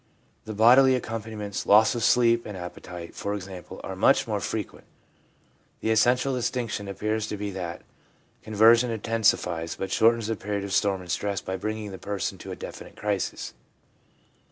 The bodily accompaniments — loss of sleep and appetite, for example — are much more fre quent. The essential distinction appears to be that conversion intensifies but shortens the period of storm and stress, by bringing the person to a definite crisis.